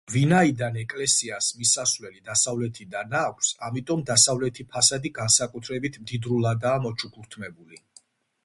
ვინაიდან ეკლესიას მისასვლელი დასავლეთიდან აქვს, ამიტომ დასავლეთი ფასადი განსაკუთრებით მდიდრულადაა მოჩუქურთმებული.